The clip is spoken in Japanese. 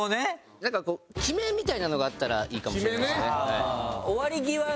なんか決めみたいなのがあったらいいかもしれないですね。